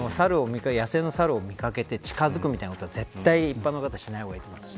野生のサルを見掛けて近づくみたいなことは絶対に一般の方しない方がいいと思います。